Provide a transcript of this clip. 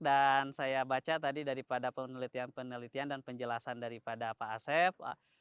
dan saya baca tadi daripada penelitian penelitian dan penjelasan daripada pak asef